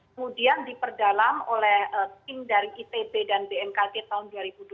kemudian diperdalam oleh tim dari itb dan bmkg tahun dua ribu dua puluh